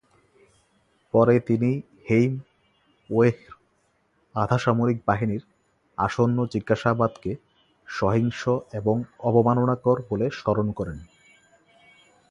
পরে তিনি "হেইমওয়েহর" আধা-সামরিক বাহিনীর আসন্ন জিজ্ঞাসাবাদকে "সহিংস এবং অবমাননাকর" বলে স্মরণ করেন।